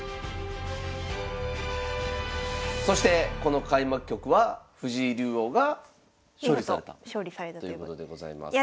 そしてこの開幕局は藤井竜王が勝利されたということでございます。